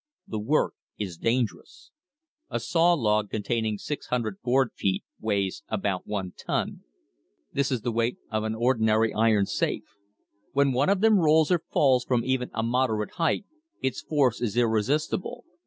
The work is dangerous. A saw log containing six hundred board feet weighs about one ton. This is the weight of an ordinary iron safe. When one of them rolls or falls from even a moderate height, its force is irresistible.